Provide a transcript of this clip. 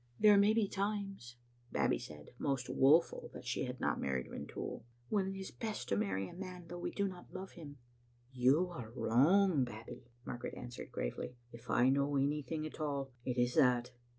" There may be times," Babbie said, most woeful that she had not married Rintoul, " when it is best to marry a man though we do not love him." "You are wrong, Babbie," Margaret answered gravely; "if I know anything at all, it is that."